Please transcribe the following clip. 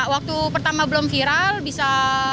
waktu pertama belum viral bisa